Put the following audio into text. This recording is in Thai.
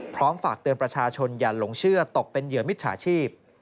ฝากเตือนประชาชนอย่าหลงเชื่อตกเป็นเหยื่อมิจฉาชีพ